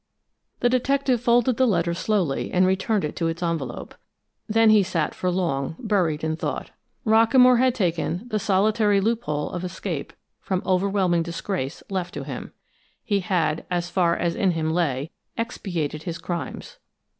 The detective folded the letter slowly and returned it to its envelope. Then he sat for long buried in thought. Rockamore had taken the solitary loophole of escape from overwhelming disgrace left to him. He had, as far as in him lay, expiated his crimes.